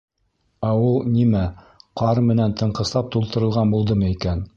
— Ә ул, нимә, ҡар менән тыңҡыслап тултырылған булдымы икән?